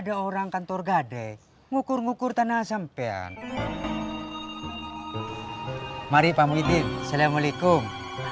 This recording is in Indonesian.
diperangkan turgade ngukur ngukur tanah sampian mari pamitin assalamualaikum